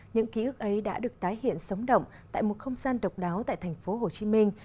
những ký ức ấy đã được tái hiện sống động tại một không gian độc đáo tại thành phố hồ chí minh